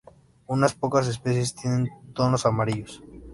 Unas pocas especies tienen tonos amarillos.